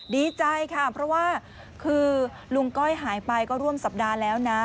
ดีใจค่ะเพราะว่าคือลุงก้อยหายไปก็ร่วมสัปดาห์แล้วนะ